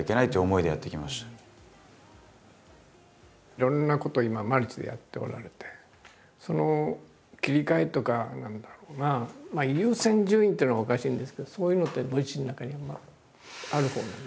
いろんなことを今マルチでやっておられてその切り替えとか何だろうなまあ優先順位っていうのはおかしいんですけどそういうのってご自身の中に今あるほうなんですかね？